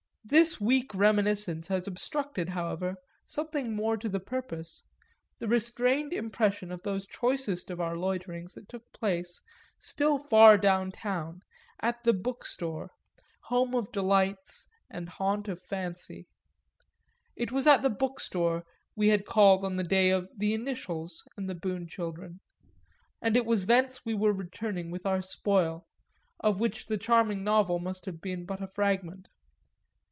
This weak reminiscence has obstructed, however, something more to the purpose, the retained impression of those choicest of our loiterings that took place, still far down town, at the Bookstore, home of delights and haunt of fancy. It was at the Bookstore we had called on the day of The Initials and the Boon Children and it was thence we were returning with our spoil, of which the charming novel must have been but a fragment.